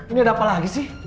ini ada apa lagi sih